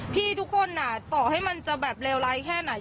พี่ทุกคนต่อให้มันจะแบบเลวร้ายแค่ไหน